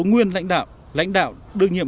nguyên lãnh đạo lãnh đạo đương nhiệm